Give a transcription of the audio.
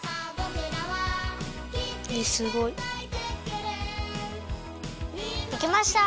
えっすごい！できました！